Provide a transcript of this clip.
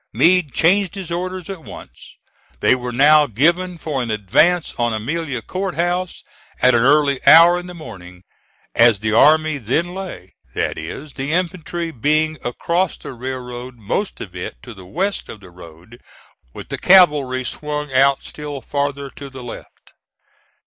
Meade changed his orders at once. They were now given for an advance on Amelia Court House, at an early hour in the morning, as the army then lay; that is, the infantry being across the railroad, most of it to the west of the road, with the cavalry swung out still farther to the left.